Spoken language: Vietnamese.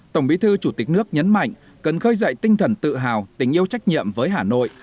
tổng bí thư chủ tịch nước nhấn mạnh cần khơi dậy tinh thần tự hào tình yêu trách nhiệm với hà nội